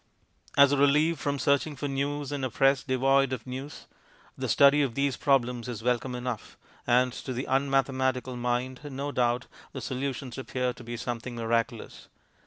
As a relief from searching for news in a press devoid of news, the study of these problems is welcome enough, and to the unmathematical mind, no doubt, the solutions appear to be something miraculous.